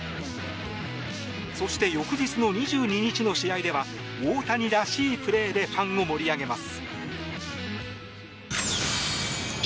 そして翌日の２２日の試合では大谷らしいプレーでファンを盛り上げます。